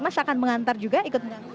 mas akan mengantar juga ikut